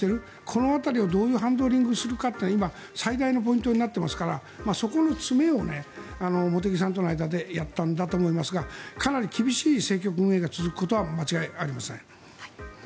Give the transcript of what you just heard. この辺りをどういうハンドリングするかって今、最大のポイントになっていますからそこの詰めを茂木さんとの間でやったんだと思いますがかなり厳しい政局運営が続くことは間違いありません。